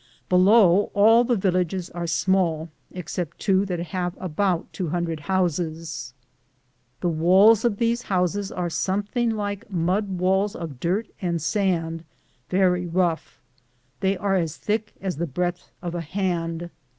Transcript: Below, all the villages are small, except two that have about 200 houses. The walls of tbeso houses are something like mud walls of dirt and sand, very rough ; they are aa thick as the breadth of a hand.